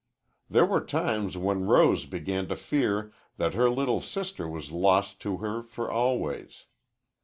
There were times when Rose began to fear that her little sister was lost to her for always.